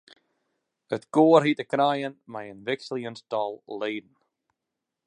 It koar hie te krijen mei in wikseljend tal leden.